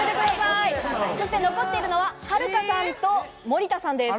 残っているのははるかさんと森田さんです。